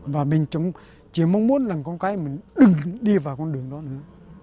và mình chỉ mong muốn là con cái mình đừng đi vào con đường đó nữa